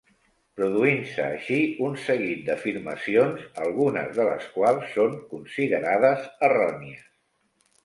Produint-se així un seguit d'afirmacions, algunes de les quals són considerades errònies.